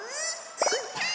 うーたん